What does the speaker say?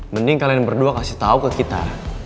mending kalian berdua kasih tahu ke kita